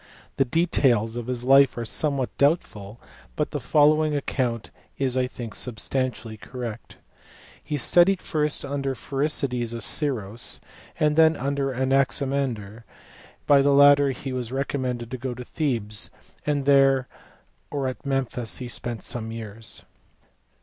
The details of his life are somewhat doubtful, but the following account is I think sub stantially correct. He studied first under Pherecydes of Syros, and then under Ariaximander; by the latter he was recom mended to go to Thebes, and there or at Memphis he spent some years.